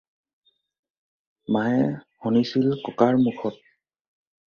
মায়ে শুনিছিল ককাৰ মুখত।